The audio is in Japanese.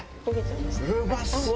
うまそう！